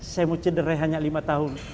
saya mau cederai hanya lima tahun